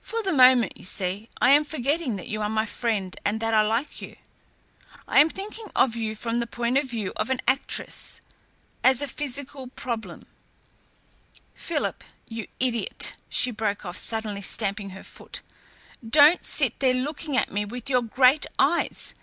For the moment, you see, I am forgetting that you are my friend and that I like you. I am thinking of you from the point of view of an actress as a psychical problem. Philip, you idiot!" she broke off, suddenly stamping her foot, "don't sit there looking at me with your great eyes.